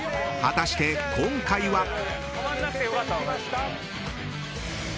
［果たして今回は？］